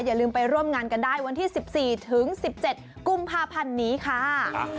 อย่าลืมไปร่วมงานกันได้วันที่๑๔ถึง๑๗กุมภาพันธ์นี้ค่ะ